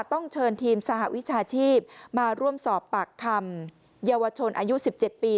ต้องเชิญทีมสหวิชาชีพมาร่วมสอบปากคำเยาวชนอายุ๑๗ปี